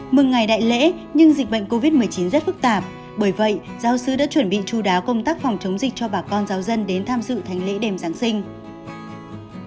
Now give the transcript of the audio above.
mừng ngày đại lễ nhưng dịch bệnh covid một mươi chín rất phức tạp bởi vậy giáo sư đã chuẩn bị chú đáo công tác phòng chống dịch cho bà con giáo dân đến tham dự thánh lễ đêm giáng sinh